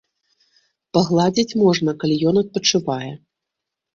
Пагладзіць можна, калі ён адпачывае.